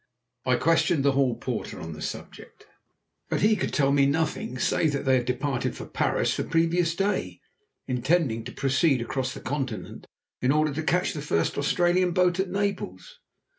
I questioned the hall porter on the subject, but he could tell me nothing save that they had departed for Paris the previous day, intending to proceed across the Continent in order to catch the first Australian boat at Naples.